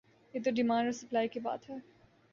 یہ تو ڈیمانڈ اور سپلائی کی بات ہے۔